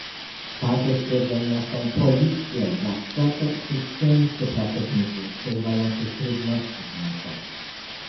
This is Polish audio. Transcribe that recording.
Takie stwierdzenia są policzkiem dla setek tysięcy pracowników przeżywających trudności finansowe